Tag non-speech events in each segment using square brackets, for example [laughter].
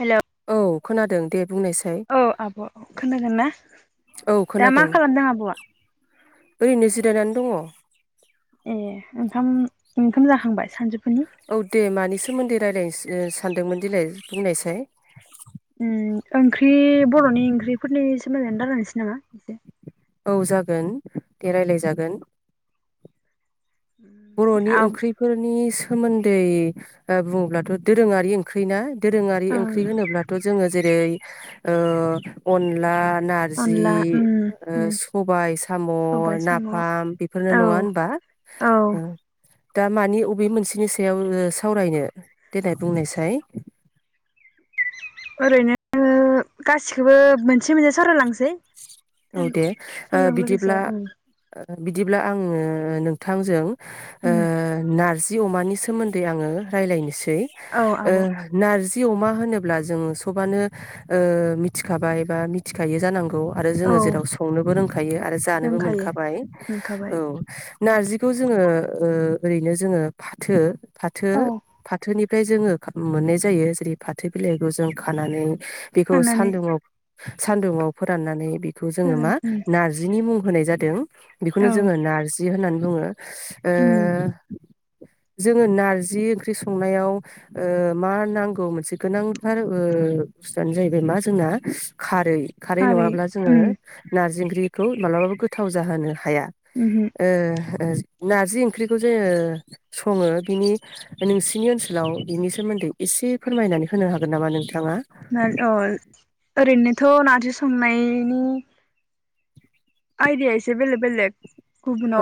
Hello औ खोनादों दे बुंनायसाय औ आब' खोगोन ना औ दा खोनादों मा खालामदों आब'आ ओरैनो जिरायनानै दङ ए ओंखाम ओंखाम जाखांबाय सानजु औ दे मानि सोमोन्दै रायजलाय ओ सानदोंमोन देलाय बुंनायसाय उम ओंख्रि बर'नि ओंख्रिफोरनि सोमोन्दैनो रालायसै नामा? औ जागोन दे रायलाय जागोन बर'नि आब ओंख्रिफोरनि सोमोन्दै ओ बुङोब्लाथ' दोरोङारि ओंख्रि ना दोरोङारि ओं ओंख्रि होनोब्लाथ' जोङो जेरै ओ अनला नारजि अनला उम ओ उम सबाय साम' सबाय साम' नाफाम बेफोरनो औ नङा होनबा औ दा मानि अबे मोनसेनि सायाव सावरायनो देलाय बुंनायसाय ओरैनो गासिखोबो मोनसे मोनसे सावरायलांसै औ टाइम दे ओ समजों लोगोसे बिदिब्ला ओं बिदिब्ला आङो नोंथांजों ओ उम नारजि जि अमानि सोमोन्दै आङो रायलायनोसै औ ओ आब' नारजि जि अमा होनोब्ला जोङो सबानो ओ मिथिखाबाय बा मिथिखायो जानांगौ गौ आरो औ जोङो जेराव संनोबो रोंखायो आरो जानोबो रोंखायो मोनखाबाय मोनखाबाय औ नारजिखौ जोङो ओ ओरैनो जोङो फाथो फाथो औ फाथोनि फ्राय जोङो मोननाय जायो जेरै फाथो बिलाइखौ जों खानानै बेखौ खानानै सान्दुंआव सान्दुंआव फोराननानै बि खौ जों फोरान मा उम नारजिनि मुं होनाय जादों। बेखौनो औ जोङो नारजि जि होननानै बुङो ओ उम जोङो नारजि ओंख्रि संनायाव ओ मा नांगौ मोनसे गोनांथार ओ बुस्थुआनो जाहैबाय मा जोंना खारै खारै नङाब्ला जोङो नार जि ओंख्रिखौ मालाबाबो गोथाव जाहोनो हाया उमहो ओ ओ नार्जि ओंख्रिखौ जे सङो बिनि नोंसिनि ओनसोलाव बिनि सोमोन्दै एसे फोरमायनानै होनो हागोन नामा नों [unintelligible] ओरैनोथ' नार्जि संनायनि आयदाया एसे बेले बेलेग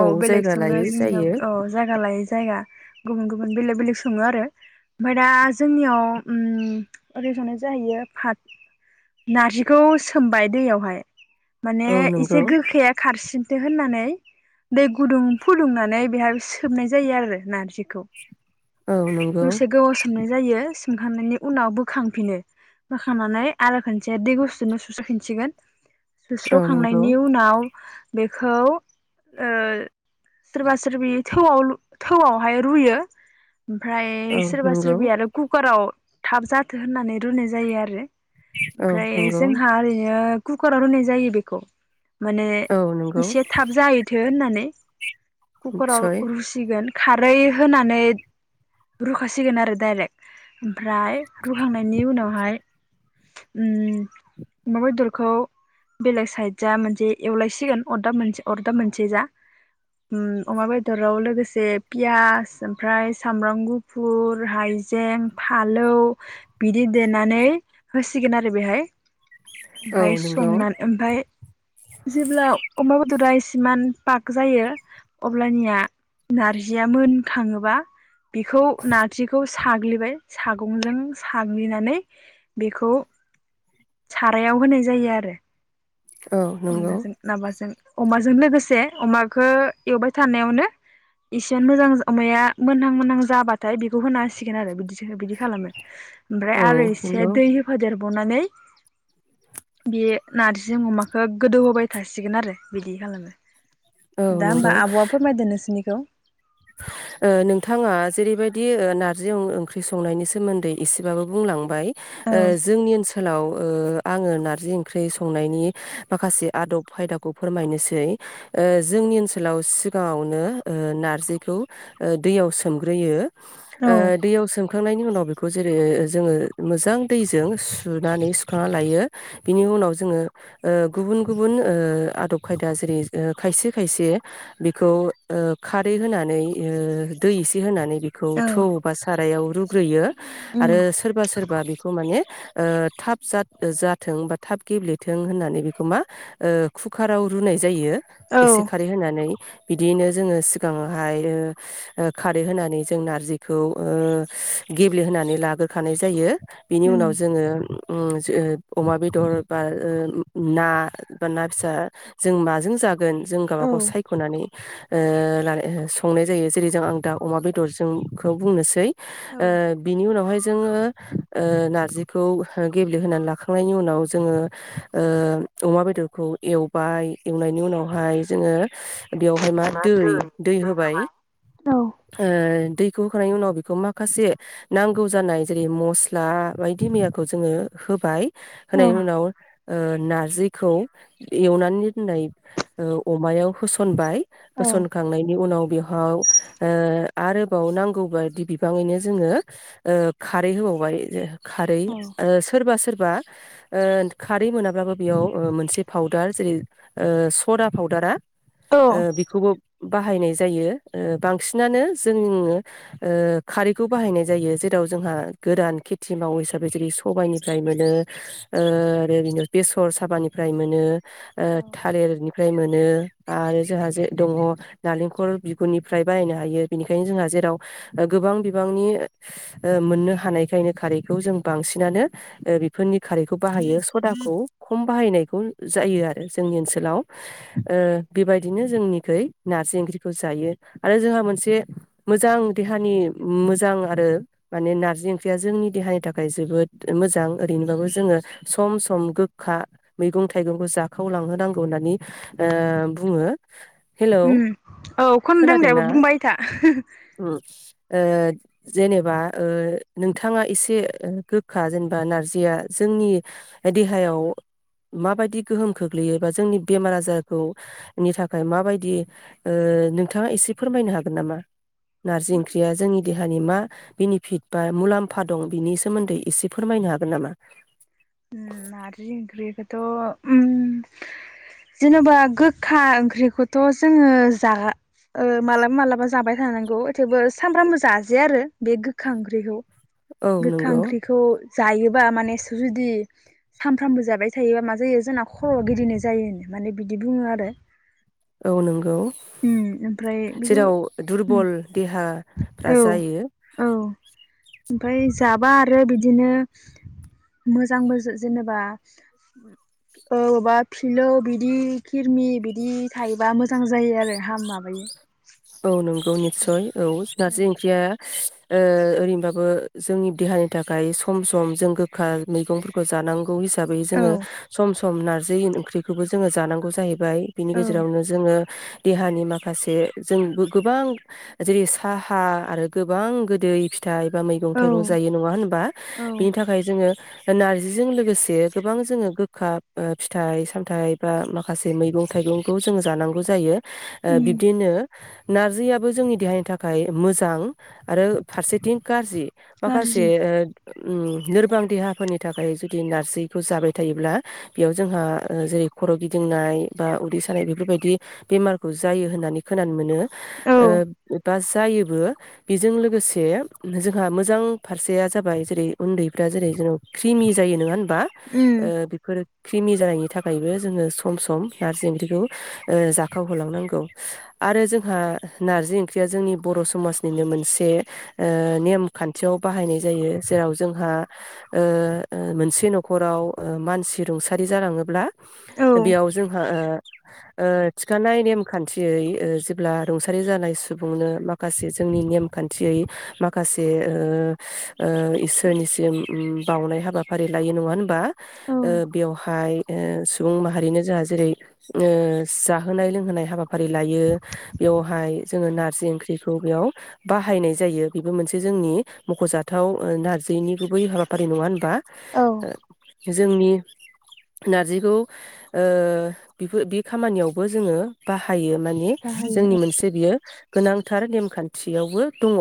औ बेलेग जायगा सङो लायै जोंनिआव जायो औ जायगा लायै जायगा गुबुन गुबुन बेलेग बेलेग सङो आरो ओमफाय दा जोंनियाव ओम ओरै संनाय जाहैयो फा नारजिखौ सोमबाय दैयावहाय माने औ इस एसे नंगौ गोखाया खारसिन दिहोननानै दै गुदुं फुदुंनानै बेहाय सोबनाय जायो आरो नारजिखौ औ नंगौ दसे गोबाव सोमनाय जायो खांनायनि उनाव बोखांफिनो बोखांनानै आरो खनसे दै गुसुनो सुस्रफिनसिगोन औ सुस्र'खांनाय नंगौ नि उनाव बेखौ ओ सोरबा सोरबि थौआव थौआवहाय रुयो ओमफ्राय औ सोरबा नंगौ सोरबि आरो कुकाराव थाब जाथो होननानै रुनाय जायो आरो औ ओमफ्राय नंगौ जोंहा ओरैनो कुकाराव रुनाय जायो बेखौ माने औ नंगौ इसे थाब जाहैथो होननानै कुकराव निस्सय रुसिगोन खारै होनानै रुखासिगोन आरो डाइरेक्ट ओमफ्राय रुहांनायनि उनावहाय ओम अमा बेदरखौ बेलेग साइड जा मोनसे एवलायसिगोन अरदाब मोनसे अरदाब मोनसे जा उम अमा बेदराव लोगोसे पियास ओमफ्राय सामब्राम गुफुर हायजें फालौ बिदि देनानै होसिगोन आरो बेहाय औ ओमफाय नंगौ संना ओमफाय जेब्ला अमा बेदरा इसेमान पाग जायो अब्लानिया नारजिया मोनखाङोबा बेखौ नारजिखौ साग्लिबाय सागंजों साग्लिनानै बेखौ सारायाव होनाय जायो आरो औ नंगौ अनलाजों माबाजों अमाजों लोगोसे अमाखो एवबाय थानायावनो इसे मोजां अमाया मोनहां मोनहां जाबाथाय बेखौ होना हांसिगोन आरो बिदि बिदि खालामो ओमफ्राय औ आरो एसे नंगौ दै हेफादेर बनानै बे नारजि अमा ओ गोदौ होबाय थासिगोन आरो बिदि खालामो औ दा नंगौ होमबा आब'आ फोरमायदो नोंसोरनिख ज' ओ नोंथाङा जेरैबायदि ओ नारजि ओंख्रि संनायनि सोमोन्दै एसेबाबो बुंलां बाय औ ओ जोंनि ओनसोलाव ओ आङो नार्जि ओंख्रि संनायनि माखासे आदब खायदाखौ फोरमायनोसै ओ जोंनि ओनसोलाव सिगाङावनो ओ नारजि खौ ओ दैयाव सोमग्रोयो औ ओ दैयाव सोमखां सुखांनायनि उनाव बे जेरै जोङो मोजां दैजों सुनानै सुखांनानै लायो बिनि उनाव जोङो ओ गुबन गुबन ओ आदब खायदा जेरै ओ खायसे खायसे बेखौ ओ खारै होनानै नानै ओ दै एसे होनानै बेखौ औ थौ बा साराइयाव रु ग्रोयो उम आरो सोरबा सोरबा बेखौ माने ओ थाब जाथ- जाथों बा थाब गेब्लेथों होननानै बेखौ मा ओ कुकाराव रुनाय जायो औ एसे खारै होनानै बिदियैनो जोङो सिगाङाव बाय ओ खारै होनानै जों नारजिखौ ओ गेब्लेहोनानै लाग्रोखानाय जायो बिनि उम उनाव जोङो ओम जो अमा बेदर बा ओ ना बा ना फिसा जों माजों जागोन जों औ गावबागाव सायख'नानै ओ लानाय ओ संनाय जायो जेरै जों आं दा अमा बेदरजों खौ बुंनोसै औ ओ बिनि उनावहाय जोङो ओ नारजिखौ गेब्लेहोनानै लाखांनायनि उनाव जोङो ओ अमा बेदरखौ एवबाय एवनायनि उनावहाय जोङो बेवहाय मा दै दै होबाय औ ओ ओ दैखौ होखांनायनि उनाव बेखौ माखासे नांगौ जानाय जेरै मस्ला बायदि मैयाखौ जोङो होबाय होनायनि उनाव ओ नारजिखौ एवनानै दोननाय ओ अमायाव होसनबाय औ होसन होखांनायनि उनाव बेहाव ओ आरोबाव नांगौबायदि बिबाङैनो जोङो ओ खारै होबावबाय खारै ओ सोरबा सोरबा ओ खारै मोनाब्लाबो बेयाव ओ मोनसे पाउदार जेरै ओ सदा पाउदारा औ ओ बेखौबो बाहायनाय जायो ओ बांसिनानो जोंङो ओ खारैखौ बाहायनाय जायो जेराव जोंहा गोदान खेथि मावो हिसाबै जेरै सबायनिफ्राय मोनो आरो आरोनो बेसर साबानिफ्राय मोनो ओ औ थालेरबि फाय मोनो आरो जोंहा जे दङ नालेंखल बिगुरनिफ्राय बाहायनो हायो बेनिखायनो जोंहा जेराव गोबां बिबांनि ओ मोननो हानायखायनो खारैखौ जों बांसिनानो बेफोरनि खारैखौ बाहायो सदाखौ खम बाहायनायखौ जायो आरो जोंनि ओनसोलाव ओ बेबायदिनो जोंनिखोय नारजि ओंख्रिखौ जायो आरो जोंहा मोनसे मोजां देहानि मोजां आरो माने नारजि ओंख्रिया जोंनि देहानि थाखाय जोबोद मोजां ओरैनोबाबो जोङो सम सम गोखा मैगं थाइगंखौ जाखावलांहोनांगौ होननानै ओ बुङो हेलौ उम औ खोनदों दे खोनादोंना बुंबाय था उम ओ जेनेबा ओ नोंथाङा एसे गोखा जेनेबा नारजिया जोंनि देहायाव माबायदि गोहोम खोख्लैयो बा जोंनि बेमार आजारखौ नि थाखाय माबायदि दि ओ नोंथाङा एसे फोरमायनो हागोन नामा नारजि ओंख्रिया जोंनि देहानि मा बेनिफिट बा मुलाम्फा दं बिनि सोमोन्दै एसे फोरमायनो हागोन नामा होम नारजि ओंख्रिखौथ' ओम जेनेबा गोखा ओंख्रिखौथ' जोङो जा मालाबा मालाबा जाबाय थानांगौ थेवबो सामब्रामबो जाजाया आरो बे गोखा ओंख्रिखौ औ गोखा नंगौ ओंख्रिखौ जायोबा माने सुजु जदि सानफ्रामबो जाबाय थायोबा मा जायो जोंना खर'आ गिदिंरनाय जायोनो माने बिदि बुङो आरो औ नंगौ उम ओमफ्राय बेखौ जेराव उम दुरबल देहा फ्रा जायो ओमफाय जाबा आरो बिदिनो मोजांबो जेनेबा अबबा फिलौ बिदि खिरमि बिदि थायोबा मोजां जायो आरो हाम माबायो औ नंगौ औ निस्सय औ नारजि ओंख्रिया ओ ओरैनोबाबो जोंनि देहानि थाखाय सम सम जों गोखा मैगंफोरखौ जानांगौ हिसाबै औ हिसाबै जोङो सम सम सम नारजि ओंख्रिखौबो जोङो जानांगौ जाहैबाय बिनि औ गेजेरावनो जोङो देहानि माखासे जों गोबां जेरै साहा आरो गोबां गोदै फि थाइ एबा मैगं औ थाइगं जायो नङा होनबा औ बिनि थाखाय जोङो नारजिजों लोगोसे गोबां जोङो गोखा ओ फिथाइ सामथाइ बा माखासे मैगं थाइगंखौ जोङो जानांगौ जायो ओ उम बिब्दिनो नारजियाबो जोंनि देहानि थाखाय मोजां आरो फारसेथिं गाज्रि माखासे गाज्रि ओ ओम लोरबां देहाफोरनि थाखाय जुदि नार्जिखौ जाबाय थायोब्ला बेयाव जोंहा जेरै खर' गिदिंनाय बा उदै सानाय बेफोरबायदि बेमारखौ जायो होननानै खोनानो मोनो औ ओ बास जायोबो बेजों लोगोसे जोंहा मोजां फारसेया जाबाय जेरै उन्दैफ्रा जेरै जोंनाव क्रिमि जायो नङा होन बा ओ उम बेफोरो क्रिमि जानायनि थाखायबो जोङो सम सम नारजि ओंख्रिखौ ओ जाखावहोलांनांगौ आरो जोंहा नारजि ओंख्रिया जोंनि बर' समाजनिनो मोनसे ओ नेम खान्थियाव बाहायनाय जायो जेराव जोंहा ओ मोनसे न'खराव मानसि रुंसारि जालाङोब्ला औ बेयाव जोंहा ओ थिखानाय नेमखान्थियै जेब्ला रुंसारि जानाय सुबुंनो माखासे जोंनि नेमखान्थियै माखासे ओ ओइसोरनिसिम ओ बावनाय हाबाफारि लायो नङा होनबा औ ओ बेवहाय ओ सुबुं माहारिनो जाहा जेरै जाहोनाय लोंहोनाय हाबाफारि लायो बेवहाय जोङो नारजि ओंख्रिखौ बेयाव बाहायनाय जायो बेबो मोनसे जोंनि मख'जाथ गोथाव नारजिनि गुबै हाबाफारि नङा होनबा औ ओ जोंनि नारजिखौ ओ बेबोर बे खामानियावबो जोङो बाहायो माने जोंनि बाहायो मोनसे बियो गोनांथार नेमखान्थियावबो दङ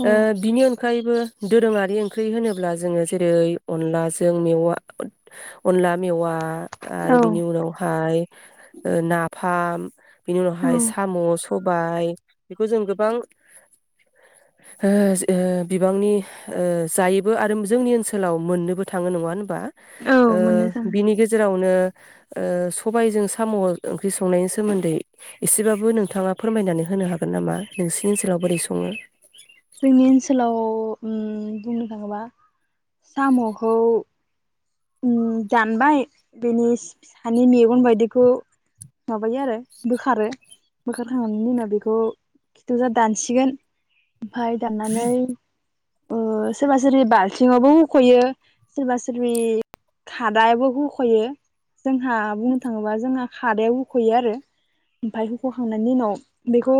औ बिनि अनगायैबो दोरोङारि ओंख्रि होनोब्ला जोङो जेरै अनलाजों मेवा अनला मेवा आरो बिनि उनावहाय ओ नाफाम बिनि औ उनावहाय साम' स सबाय बेखौ जों गोबां ओ ओ बिबांनि ओ जायोबो आरो जोंनि ओनसोलाव मोननोबो थाङो नङा होनबा औ बा मोननो ओ थाङो बिनि गेजेरावनो ओ सबायजों साम' ओंख्रि संनायनि सोमोन्दै एसेबाबो नोंथाङा फोरमायनानै होनो हागोन नामा नोंसिनि ओनसोलाव बोरै सङो जोंनि ओनसोलाव उम बुंनो थाङोबा साम'खौ ओ दानबाय बेनि सा सानि मेगन बायदिखौ माबायो आरो बोखारो बोखारखांनायनि उनाव बेखौ खिथावजा दानसिगोन ओमफाय दाननानै ओ सोरबा सोरबि बालथिङावबो हुख'यो सोरबा सोरबि खादायाबो होख'यो जोंहा बुंनो थाङोबा जोंहा खादायाव होख'यो आरो ओमफफ्राय होख'खांनायनि उनाव बेखौ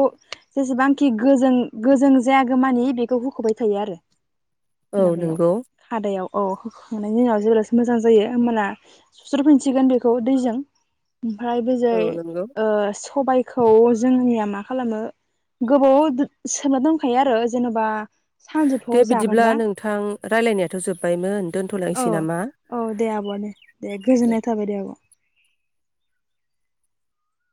जेसेबांखि गोजों गोजों जायगो मानि बेखौ होख'बाय थायो आरो औ माबायाव नंगौ खादायाव अ होखांनायनि उनाव जेर मोजां जायो होमबाना सुस्र फिनसिगोन बेखौ दैजों ओमफ्राय बेजै औ नंगौ ओ सबायखौ जोंनिया मा खालामो गोबाव सोना दंखायो आरो जेनेबा दे बिदिब्ला नोंथां रायलायनायाथ' जोब्बायमोन औ दोनथ'लायनोसै नामा औ दे आब' दे दे गोजोननाय थाबाय दे आब'